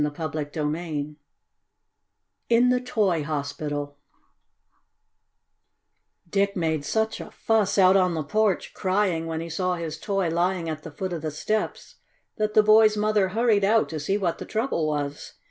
CHAPTER VII IN THE TOY HOSPITAL Dick made such a fuss out on the porch, crying, when he saw his toy lying at the foot of the steps, that the boy's mother hurried out to see what the trouble was.